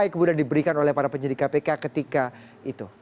apa yang kemudian diberikan oleh para penyidik kpk ketika itu